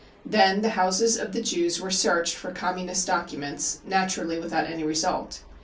Then the houses of the Jews were searched for Communist documents, naturally without any result.